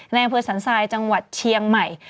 ในสถานศาสน์สายจังหวัดเชียงใหม่